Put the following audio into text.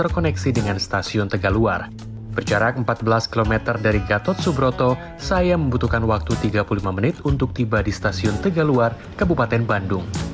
kepada stasiun tegak luar kabupaten bandung